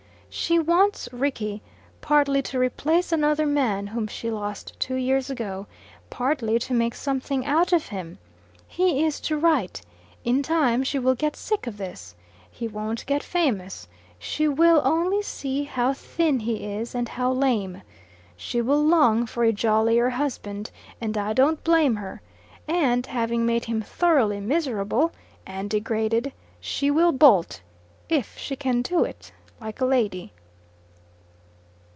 She wants Rickie, partly to replace another man whom she lost two years ago, partly to make something out of him. He is to write. In time she will get sick of this. He won't get famous. She will only see how thin he is and how lame. She will long for a jollier husband, and I don't blame her. And, having made him thoroughly miserable and degraded, she will bolt if she can do it like a lady."